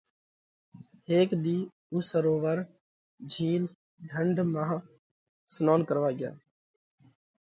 هيڪ ۮِي اُو سرووَر (جھِيل، ڍنڍ) مانه سنونَ ڪروا ڳيا۔